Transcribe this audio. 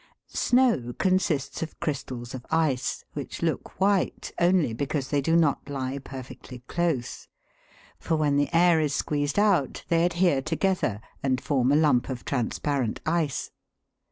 Snow consists of crystals of ice (Fig. 14), which look F 66 THE WORLD'S LUMBER ROOM. white* only because they do not lie perfectly close ; for when the air is squeezed out they adhere together and form a lump of transparent ice.